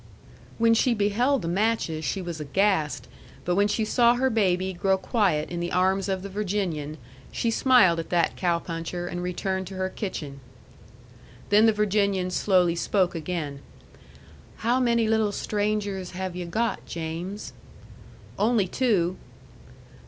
When she beheld the matches she was aghast but when she saw her baby grow quiet in the arms of the Virginian, she smiled at that cow puncher and returned to her kitchen. Then the Virginian slowly spoke again: "How many little strangers have yu' got, James?" "Only two."